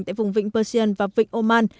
tại vùng vịnh persian và vịnh oman